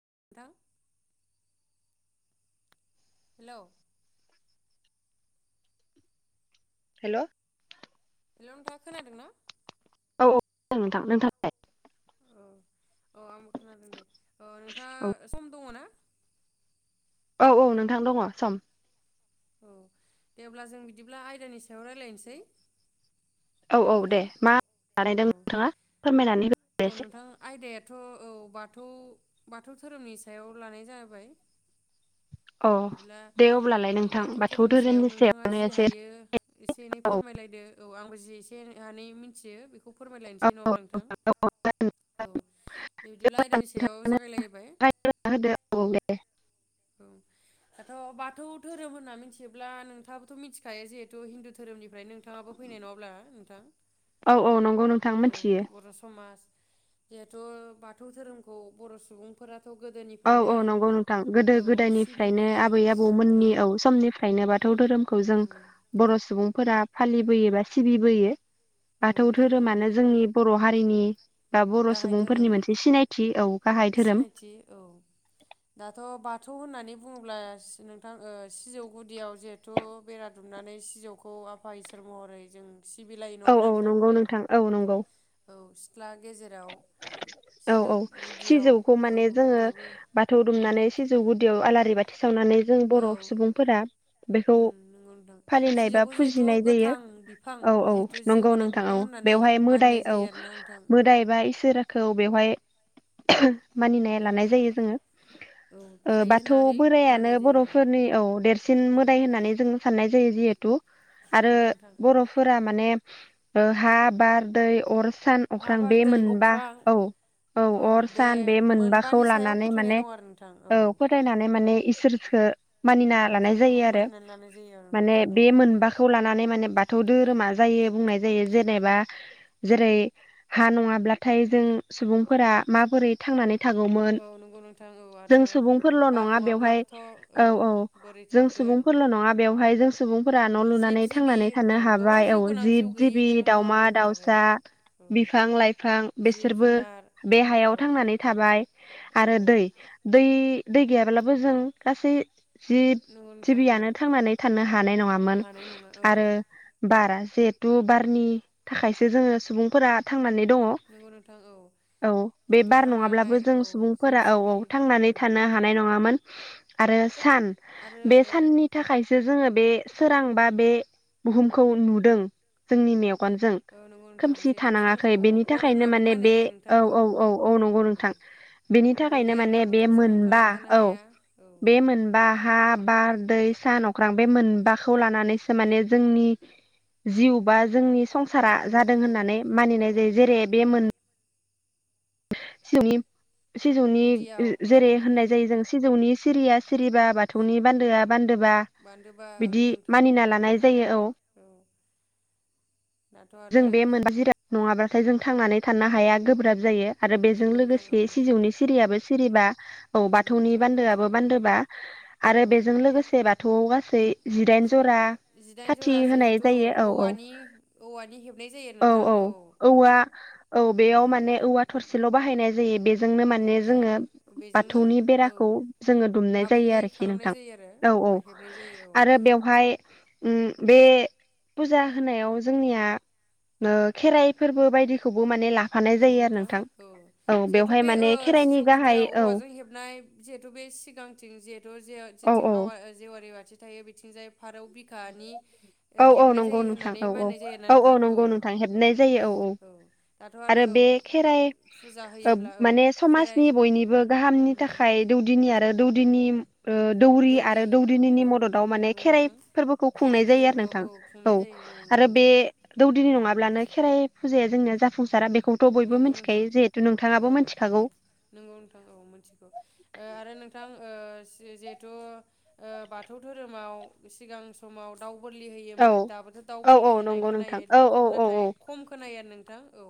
[inaudible] हेल'? Hello hello नोंथाङा खोनादों ना।? औ औ नोंथां नोंथाङालाय? अ आंबो खोनादों दे औ नोंथाङा सम दङ ना? औ औ नोंथां दङ सम? औ दे अब्ला जों बिदिब्ला आयदानि सायाव रायज्लायनोसै। औ औ दे मा बानायदों नोंथाङा फोरमायनानै हो। औ नोंथां आयदायाथ' औ बाथौ बाथौ धोरोमनि सायाव लानाय जाबाय। अ बिदिब्ला दे अब्लालाय नोंथां बाथौ धोरोमनि सायाव नोंथाङा सायावनो जि एसे हायो एसे एनै औ फोरमायलायदो औ आंबो जि एसे एनै मिथि मिथियो बे बेखौ औ फोरमायलायनोसै नङा औ होमब्ला नोंथां नोंथाङानो औ बिदिब्ला आयदानि सायाव जागायलायहैबाय होदो औ दे औ दाथ' बाथौ' धोरोम होनना मिथियोब्ला नोंथाङाबोथ' मिथिखायो जिहेथु हिन्दु धोरोमनिफ्राय नोंथाङाबो फैनाय नङाब्ला नोंथां औ औ नंगौ नोंथां औ मिथियो बर' समाज जिहेथु बाथौ धोरोमखौ बर' सुबुंफोरा औ औ नंगौ नोंथां गोदो गोदोनिफ्रायनो सिबिबोयो आबै आबौमोननि औ समनिफ्रायनो बाथौ धोरोमखौ जों उम बर' सुबुं फोरा फालिबोयो बा सिबिबोयो नंगौ बाथौ नोंथां औ धोरोमानो जोंनि बर' हारिनि बा बर' गाहाय धोरोम सुबुंफोरनि मोनसे सिनायथि औ गाहाय धोरोम सिनायथि औ दाथ' बाथौ होननानै बुङोब्ला नोंथां ओ सिजौ गुदियाव जिहेथु बेरा दुमनानै सिजौखौ आफा इसोर महरै जों सिबिलायो औ नङाब्ला औ नंगौ नोंथां औ नंगौ औ सि औ औ गुदियाव सिजौखौ औ माने जोङो बयबो बाथौ उम दुमनानै सिजौ गुदियाव आला रि बाथि सावनानै जों औ बर' सुबुंफोरा बेखौ उम नंगौ नोंथां फालिनाय बा सिजौखौ जिहेथु फुजिनाय जायो गोथां बिफां औ औ जिहेथु जिउ नंगौ गोनां नोंथां बिफां औ होननानै बेवहाय मोदाय मानिनाय औ जायो आरोना नोंथां मोदाय इसोरखौ बेवहाय [unintelligible] मानिनाय औ लानाय जायो जोङो औ ओ थायो बाथौ होननानै बोरायानो मानिनाय जायो आरो बर'फोरनि औ देरसिन मोदाय होननानै जोङो साननाय जायो जिहेतु आरो नंगौ नोंथां औ बर'फोरा माने ओ हा बार दै अर सान हा अख्रां बार बे दै मोनबा अख्रां औ औ अर सान बे मोनबाखौ मोनबानि सायाव लानानै फोथायनाय माने दं आरो नोंथां औ फोथायनानै माने इसोरखो मानिना लानाय बिसोरखौ जायो आरो मानिनानै लानाय जायो आरो माने नोंथां औ बे मोनबाखौ लानानै माने बाथौ धोरोमा जायो बुंनाय जायो जेनेबा जेरै हा नङाब्लाथाय जों सुबुंफोरा माबोरै थांनानै थागौमोन औ नंगौ नोंथां औ आरो जों सुबुंफोरल' बार नङा बेवहाय नङाब्लाबोथ' औ औ बोरै जों थागोन सुबुंफोरल' नङा बेवहाय जों सुबुं फोरा न' जिब लुनानै जिबि थांनानै औ थानो गोबां हाबाय जिउ औ गोनां जिउ जिब गैयि जिबि गो दाउमा मुवाफोरनि थाखाय दाउसा आरो औ बिफां लाइफां जिब बेसोरबो जुनार बे औ हायाव थांनानै थाबाय औ आरो दै दै दै गैयाब्लाबो जों गासै जिब नंगौ नोंथां औ जिबियानो थांनानै थानो हानाय नङामोन हानाय नङा औ आरो बारा जेथ दु बारनि थाखायसो जोङो सुबुंफोरा थांनानै दङ नंगौ नोंथां औ औ बे जिहेथु बार हां नङाब्लाबो लानाय जों औ जिब सुबुंफोरा औ जिबि औ थांनानै उम थानो हानाय नङामोन। आरो। सान आरो बे औ साननि थाखायसो जोङो। बे सोरां बा बे बुहुमखौ नुदों जोंनि मेव गनजों औ नंगौ नोंथां खोमसि जिहेथु थानाङा सानखौ औ बेनि अर थाखायनो होनाबो माने मानिनाय बे जायो नोंथां औ औ औ औ नंगौ औ नोंथां बेनि अर थाखायनो माने बे गैयाब्लाबोथ' जों मोनबा थांनानै थानो औ हाया औ बे मोनबा हा बार दै सा अख्रां बे मोनबाखौ लानानैसो माने जोंनि जिउ बा जोंनि संसारा नंगौ नोंथां जादों औ होननानै औ मानिनाय दे बे उम मोन सिनि सिजौनि गुदियाव औ जेरै होननाय जायो जों सिजौनि। सिरिया सिरिबा बाथौनि बान्दोआ बोन्दोबा बान्दोबा बिदि नंगौ नोंथां मानिना उम लानाय जायो औ। दाथ' जों आरो बे मोनबा जिराद नङाला हाथायजों थांनानै थानो हाया गोब्राब जायो आरो उम बेजों नंगौ नोंथां औ लोगोसे सिजौनि सिरियाबो सिरिबा औ नंगौ बाथौनि नोंथां बान्दोआबो औ बान्दोबा आरो औ बेजों लोगोसे बाथौआव गासै जिदाइन जि जरा जिदाइन खाथि जरा होनाय जिहेथु जायो ओं औ औ। औवानि औवानि हेबनाय जायो औ नोंथां औ औवा औ उम बेयाव माने औवा थर ल' बाहायनाय जायो बेजों। जोंनो नंगौ माने नोंथां जोङो बेजोंनो बाथौनि औ बेराखौ जोङो दुमनाय जायो आबुङै आरोखि खालामनाय नोंथां जायो आरो औ औ ओमफ्राय हेबनाय जायो औ आरो बेवहाय ओम बे फुजा होनायाव जोंनिया खेराइ फोरबो बायदिखौबो ला नंगौ नोंथां औ जिहेथु बेवहाय बे माने ओ खेराइनि सिजौ गाहाय गुदियाव औ औवाजों हेबनाय जिहेतु बे सिगांथिं जे जो ओ औ जेथिं औ आवा जेवारि बाथि थायो बिथिंजाय फाराव बिखानि औ औ हेबनाय नंगौ जायो नोंथां होननानै औ औ मानिनाय जायोना नोंथां औ नंगौ नोंथां औ हेबनाय जायो औ दा। आरो बे खेराइ ओ औ माने खेराइ समाजनि बयनिबो गाहामनि उम थाखाय दौदि नि आरो दौदिनि ओ दौरि आरो दौरिनिनि औ मददाव माने नंगौ खेराइ नोंथां फोरबोखौ खेराइ खुंनाय जायो आरो फोरबोखौ नोंथां औ खुंनाय जायो आरो नंगौ बे नोंथां दौदिनि उम नङाब्लानो खेराइ। फुजाया जोंनो जाफुंसारा बे। नंगौ नोंथां औ औ मिथिखागौ नंगौ नोंथां औ मोनथिगौ आरो नोंथां। ओ जिहेथु ओ बाथौ धोरोमाव सिगां समाव दाव उ बोरलि औ होयोमोन दाबोथ' दाउ औ औ बोरलि होनाय नंगौ नोंथां खोनायो औ औ औ औ नाथाय खम खोनायो आरो नोंथां औ।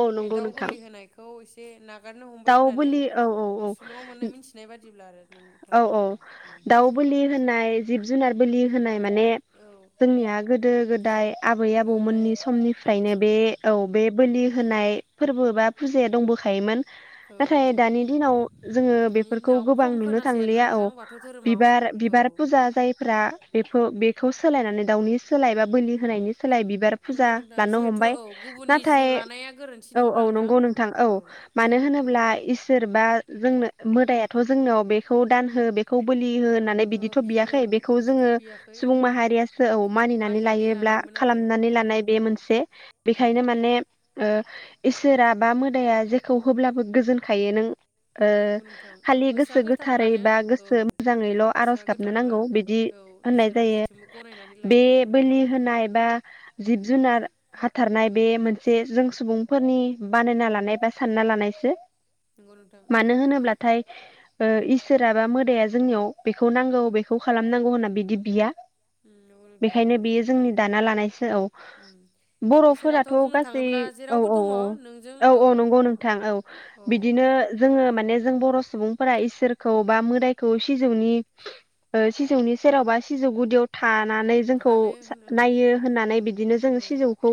औ बे नंगौ दाउ नोंथां बोलि होनायखौ। बे ना हगारनो हमबाय दाउ होननानै बोलि औ औ औ सुलंआव मोननाय मिथिनाय बादिब्ला आरो। औ नोंथाङा औ दाउ बुलि होनाय जिब जुनार बोलि होनाय माने औ जोंनिया गोदो गोदाय दाय आबै गोदो गोदाय आबौमोननि नंगौसो समनिफ्रायनो बे औ बे बोलि होनाय फोरबो बा फुजाया दंबोखायोमोन। औ नंगौ नाथाय नोंथां दानि दिनाव जोङो दानि बेफोरखौ दिनाव गोबां खम नुनो खोनासै आरोना नंलिया नोंथां औ बाथौ धोरोमाव बिबार बिबार औ फुजा जायफोरा बेफोर बेखौ सोलायनानै दाउनि सोलायबा बोलि होनायनि सोलाय बिबार फुजा नंगौ नोंथां लानो जिहेथु हमबाय औ गुबुननि जिउ नाथाय लानाया गोरोन्थि औ नङाब्ला औ नंगौ नोंथां औ मानो औ होनोब्ला इसोर बा जोंनो मोदायाथ' जोंनाव बे खौ दान हो बेखौ बोलि हो हो होननानै ओ बिदिथ' बि औ बियाखै बेखौ जोङो बिदिथ' बियाखै सुबुं औ माहारियासो औ मानिनानै लायोब्ला लानायमोन आरो खालामनानै औ लानाय बे मोनसे उम बेखायनो माने इसोरा बा मोदाया जेखौ होब्लाबो गोजोनखायो नों औ नंगौ नोंथां औ खालि गोसोआ गोसो गोथार गोथारै गोथारब्लानो ब्ला औ मोजाङैल' आरज गोसोआ गाबनो गोथारब्ला नांगौ बिदि औ होननाय इसोरा जायो जेथिंबो गनायनानै बे लायो आरो औ बोलि होनाय बा जिब उम जुनार हाथार नाय बे मोनसे जों सुबुंफोरनि बानायना लानाय बा सानना लानायसो नंगौ नोंथां औ मानो होनोब्लाथाय इसोरा बा मोदाया जोंनियाव बेखौ नांगौ बेखौ खालामनांगौ होनना बिदि बिया उम नंगौ नोंथां औ बेखायनो बेयो जोंनि दाना लानायसो औ उम इसोराथ' बर'फोराथ' बुंनो गासै थाङोब्ला औ जेरावबो औ दङ नोंजों औ औ औ नंगौ नोंथां औ औ बिदिनो जोङो माने। जों बर' सुबुं फोरा इसोरखौ बा मोदायखौ सिजौनि ओ सिजौनि सेरावबा सिजौ गुदियाव था थानानै जोंखौ थानो होनो नायो होननानै बिदिनो जों औ सिजौखौ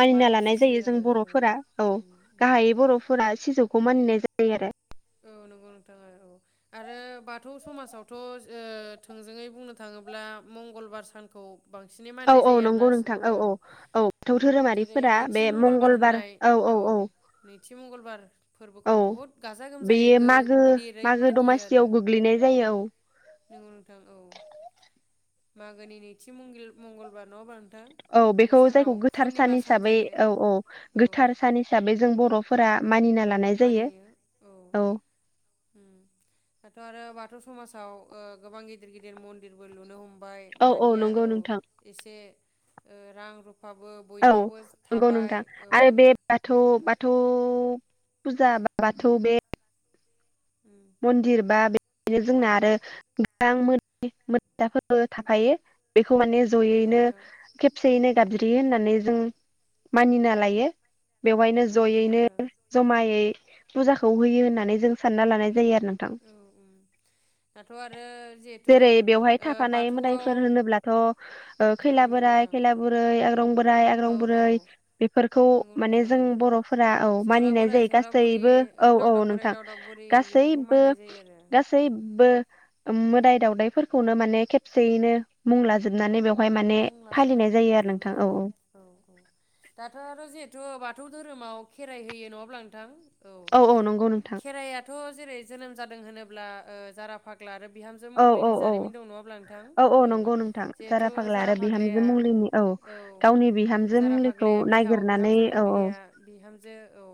मानिना मान लानाय फुजियो जायो जों आरो औ बर'फोरा औ उम उम गाहायै बर'फोरा सिजौ खौ मानिनाय जायो आरो औ नंगौ नोंथां आरो औ आरो बाथौ समाजावथ' थोंजोङै बुंनो थाङोब्ला मंगलबार सानखौ बांसिनै औ मानिनाय औ जायो आरोना नंगौ नोंथां औ औ जेरै नैथि मंगलबार होननाय औ नैथि मंगलबार फोरबोखौ औ बहुत गाजा गोमजायै बेयो गो मागो गिदिरै मागो दमासियाव गोग्लैनाय जायो औ नोंगौ नोंथां औ मागोनि नैथि मंगलबार न'ङाहोमबा औ बेखौ जायखौ गोथार सान हिसाबै औ औ औ गोथार सान हिसाबै जों बर' फोरा मानिनो औ दाथ' आरो बाथौ बाथौ समाजाव गोबां गिदिर गिदिर मन्दिरबो लुनो हम बाय औ दानिया नंगौ औ नोंथां एसे रां रुपा औ नंगौ नोंथां औ आरो बे बाथौ नोंथां बाथौ फुजा बा बाथौ बे उम नंगौ मन्दिर बा बे बेनो जोंना आरो गोबां [unintelligible] फोथाफोरबो थाफायो बेखौ माने जयैनो नोंथां खेबसेयैनो गाबज्रियो होननानै जों मानिना लायो। बेवहायनो औ नंगौ जयैनो नोंथां जमायै फुजाखौ होयो होननानै जों सानना लानाय जायो आरो नोंथां औ उम दाथ' आरो जिहेथु जेरै बेवहाय ओ थाफानाय बाथौआव मोदायफोर औ होनोब्लाथ' खैला नंगौ बोराय नोंथां खैला बुरै आग्रं बोराय औ आग्रं औ बुरै बेफोरखौ नंगौ माने नोंथां जों औ बर'फोरा औ सौरा मानिनाय बोराइ जायो सौरा बुरि गासैबो औ औ दावदाब बोराइ नोंथां दावदाब बुरि गासै बेफोरखौ मानिनाय जायो [unintelligible] आरो गासैबो मोदाय दावउदायफोरखौनो माने खेबसेयैनो मुंलाजोबनानै बेवहाय माने मुं फालिनाय लाजोबनानै जायो आरो गनो नोंथां औ गथ औ औ दाथ' आरो जिहेथु बाथौ धोरोमाव खेराइ होयो नङाब्ला नोंथां औ औ नंगौ नोंथां खेराइआथ' जेरै जोनोम जादों होनोब्ला ओ जारा फाग्ला आरो बिहामजो औ मंग्लिनि औ औ जारिमिन दं नङाब्ला नोंथां औ नंगौ नोंथां जिहेथु फाग्ला जारा आरो बिहामजो फाग्लाया मंलिनि औ गावनि बिहामजो जारा मंलिखौ फाग्लाया बिहाव नागिरनानै बिहामजो औ औ मंग्लिया बिहामजो औ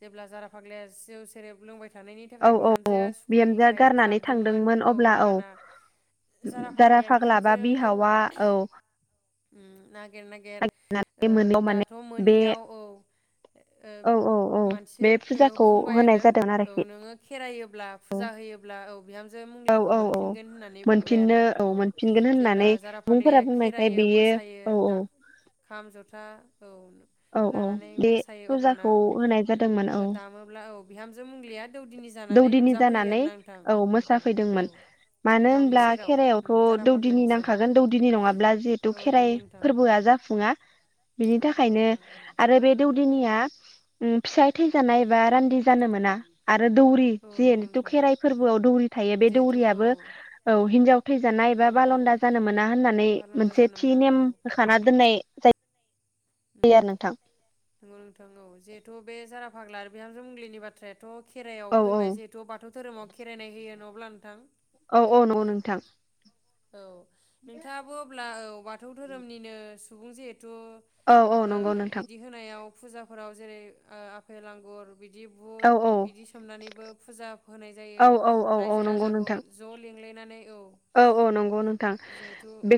जेब्ला जारा फाग्लाया जौ सेरेब लोंबाय थानायनि औ थाखाय औ औ बिहामजोआ बिहामजोआ सुखुयैखाय गारनानै खारदोंमोन थांदोंमोन औ अब्ला अब्लाना जारा फाग्लाया फाग्ला बा बिहामजोखौ बिहावा औ उम ना गेर नागेर ओ मोनैयाव माने दाथ' बे मोनियाव औ ओ औ औ औ मानसि बे ओ फुजाखौ बुंबाय होनाय आरो जादों औ आरोखि नाङो खेरायोब्ला औ फुजा होब्ला औ बिहाम जो औ मंग्लिखौ औ औ मोनफिनगोन होननानै मोनफिननो बुंब्लायाना औ मोनफिनगोन जेब्ला होननानै जारा सुबुंफोरा फाग्लाया बुंनायखाय बेरायो बेयो मोसायो औ औ दा खाम जथा औ औ औ लानानै बे मोसायो अब्लाना फुजाखौ होनाय जादोंमोन ओ औ दामोब्ला औ बिहामजो मंलिया दौदिनि जानानै दौदिनि नुजाफैयो जानानै आरोना नोंथां औ औ मोसाफैदोंमोन मानो बिहावनि होनब्ला सेराव उम खेराइायावथ' जारा दौदिनि फाग्लानि सेराव नांखागोन दौदिनि नङाब्ला जिहेतु औ नंगौ खेराइ नोंथां फोरबोआ जाफुङा बिनि नंगौ थाखायनो नोंथां औ आरो बे दौदिनिया उम फिसाय थैजानाय बा रान्दि जानो मोना। आरो दौरि औ नंगौ जिनुथु नोंथां खेराइ फोरबोआव दौरि थायो बे जिहेथु औ दौरियाबबो औ हिनजाव थैजानाय एबा नंगौ नोंथां बालन्दा जानो मोना होननानै बारलान्दा मोनसे जानो थि मोना औ नेम होखाना दोननाय जाय नंगौ नोंथां औ जिहेथु बे जारा फाग्ला आरो बिहामजो मुंग्लिनि बाथ्राया थ' खेराइयाव औ फैबाय जिहेथु बाथौ धोरोमाव खेरनाय होयो न ब्ला नोंथां। औ औ नंगौ नोंथां। औ नोंथाङाबो अब्ला औ बाथौ धोरोमनिनो सुबुं जे थु औ औ बो नंगौ नोंथां बिदि होनायाव फुजाफोराव जेरै ओ आफेल आंगुर बिदि औ बुट बिदि सोमनानैबो फुजा होनाय जायो औ औ औ औ रायजो नंगौ राजाखौ नोंथां ज लिं ग्लायनानै औ औ नंगौ नोंथां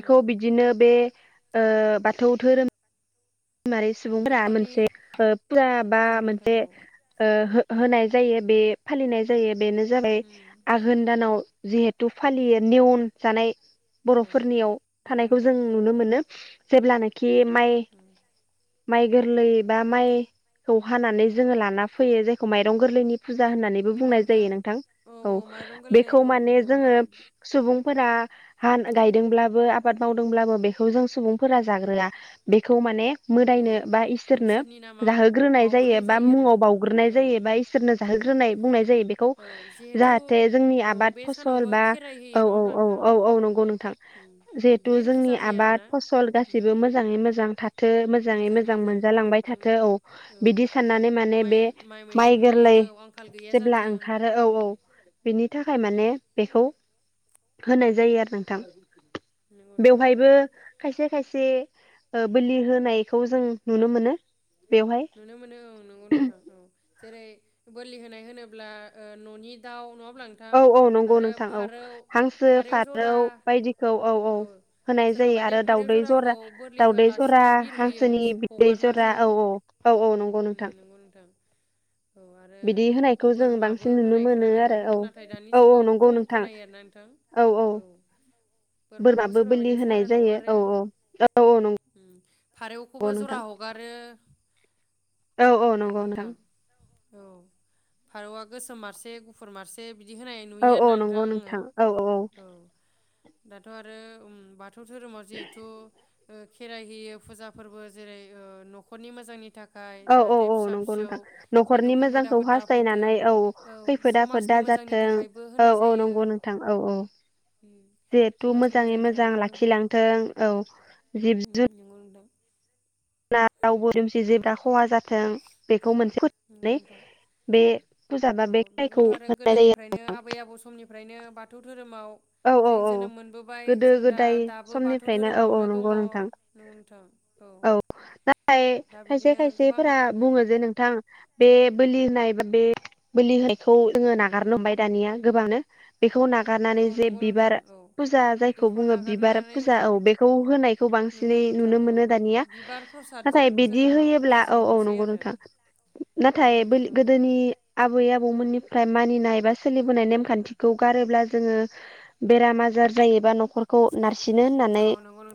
उम बिदिनो बे ओ बाथौ धोरोम मारि सुबुंफोरा न'खरनि मोनसे ओ फुरा बा उम दों मोनसे औ ओ हो-होनाय जायो बे फालिनाय जायो बेनो जाबाय आघोन दानाव जिहेथु फालियो नेयन जानाय उम औ बर'फोरनियाव नंगौ थानायखौ नोंथां जों नुनो मोनो। जेब्ला नाखि जि माइ उम माइ गोरलै बा माइखौ हानानै जोङो लाना फैयो जायखौ माइरं गोरलैनि फुजा होननानैबो बुंनाय जायो नोंथां औ माइरं गोरलै बेखौ औ माने नंगौ जोङो नोंथां सुबुंफोरा हान गायदोंब्लाबो आबाद मावदोंब्लाबो बेखौ जों सुबुंफोरा जाग्रोआ बेखौ माने औ मोदायनो बा इसोरनो इसोरनि नामाव जाहोग्रोनाय जायो बावग्रोनाय बा आरो मुङाव नोंथां बाउग्रोनाय औ जायो बा इसोरनो औ जाहोग्रोनाय बुंनाय जायो बेखौ औ जिहेथु जाहाथे जोंनि औ आबाद बे फसल सानावबो बा खेराइ होयो औ नङा औ होमब्ला औ नोंथां औ औ उम नंगौ नोंथां उम जिहेथु गिदिर फुजा जोंनि होयो आबाद आरोना फसल उम गासिबो मोजाङै मोजां थाथों। जे मोजाङै मोजां मोनजालांबाय थाथों औ बिदि साननानै माने माइ बे माइ माइरंनि गोरलै औ आंखाल गैया जेब्ला जाथों ओंखारो औ औ उम बिनि थाखाय उम माने बेखौ होनाय जायो आरो नोंथां। नंगौ नोंथां औ बेवहायबो खायसे खायसे ओ बोलि होनायखौ जों नुनो मोनो बेवहाय नुनो मोनो औ नंगौ नोंथां औ जेरै बोलि होनाय होनोब्ला ओ न'नि दाउ न' औ औ नंगौ नोंथां औ हांसो फारौ बायदिखौ औ औ होनाय सोरबा जायो बायदिया आरो फारौ दावदै जराखौ जरा बोरलि दावदै जरा होआलासिनो बिरहोयो हांसोनि बिदै हगारना जरा होयो औ औ औ औ नंगौ उम नोंथां नंगौ नोंथां औ आरो बिदि होनायखौ जों बोरमाबो बांसिन नुनो होनाय मोनो आरो खोनादोंमोन औ नाथाय दानि औ औ जुगाव नंगौ खम नोंथां खोनायो आरोना नोंथां औ बोरमाखौ बोरमाबो सोरबा बोलि बायदिया होनाय साराइन जायो हगारो औ औ औ नंगौ फारौखौबो जरा नोंथां हगारो। औ औ नंगौ नोंथां औ फारौआ गोसोम मारसे गुफुर मारसे बिदि होनाय औ नुयो औ आरोना नोंथां नंगौ आङो औ औ दाथ' आरो ओम बाथौ धोरोमाव जिहेथु ओ खेराइ होयो फुजा फोरबो जेरै ओ न'खरनि मोजांनि थाखाय औ औ जाहाथे औ फिसा नंगौ फिसौ नोंथां जिहेथु न'खरनि खैफोद मोजांखौ आफोद दाफैथों हास्थायनानै औ औ खैफोद आफोद समाजनि मोजांनि दाजाथों थाखायबो औ होनाय औ जायो नंगौ नोंथां औ औ उम जेथु समाजनि मोजाङै मोजांनि मोजां थाखायबो लाखिलांथों औ जिब उम जु नंगौ नोंथां रावबो दुमसि जेब्ला खहा जाथों बे मोनसे नंगौ फोथायनानै नोंथां फुजा बा औ बे खेराइखौ बेखौथ' आरो होनाय जायो गोदोनिफ्रायनो आबै आबौ समनिफ्रायनो बाथौ धोरोमाव औ औ जों औ जोनोम मोनबोबाय गोदो जों दा गोदाय दाबो बाथौ समनिफ्रायनो औ औ धोरोमावनो दङ नंगौ नोंथां नोंथां औ दा खायसे बिदिनो गोबां खायसेफोरा बुङो जे नोंथां बे बोलि होनाय बा बे बोलि होनायखौ जोङो नागारनो हमबाय दानिया गोबाङानो बेखौ नागार औ गारनानै जे नंगौ बिबार नोंथां औ फुजा जायखौ बेखौ बुङो बिबार नागारनानै फुजा ओं औ बेखौ होनायखौ नंगौ बांसिनै नोंथां नुनो औ मोनो दानिया बिबार प्रसादजों नाथाय बिदि जोङो होयोब्ला औ फुजिनो औ हमसै नंगौ आरो नोंथां नंगौ नाथाय नोंथां औ गोदोनि आबै आबौमोननि ओमफ्राय मानिनाय एबा सोलिबोनाय नेमखान्थिखौ गारोब्ला जोङो बेराम आजार जायोबा नख न'खरखौ नारसिनो होननानै औ नंगौ नोंथां